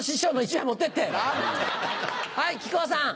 はい木久扇さん。